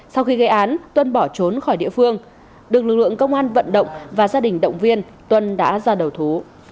sau khi gây án tuân bỏ trốn khỏi địa phương được lực lượng công an vận động và gia đình động viên tuân đã ra đầu thú